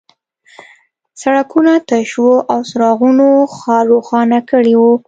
سړکونه تش وو او څراغونو ښار روښانه کړی و